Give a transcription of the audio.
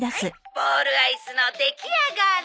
ボウルアイスの出来上がり」